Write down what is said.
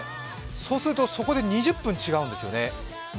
そうすると、そこで２０分違うんですね。